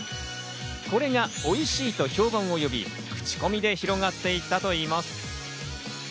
これがおいしいと評判を呼び、口コミで広がっていったといいます。